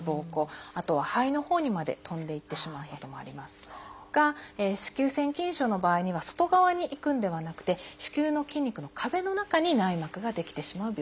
あとは肺のほうにまで飛んでいってしまうこともありますが子宮腺筋症の場合には外側に行くんではなくて子宮の筋肉の壁の中に内膜が出来てしまう病気です。